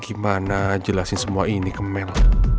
gimana jelasin semua ini ke mel